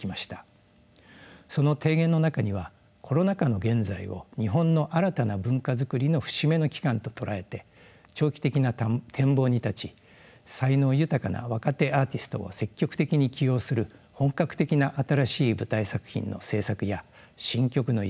その提言の中にはコロナ禍の現在を日本の新たな文化作りの節目の期間と捉えて長期的な展望に立ち才能豊かな若手アーティストを積極的に起用する本格的な新しい舞台作品の制作や新曲の委嘱。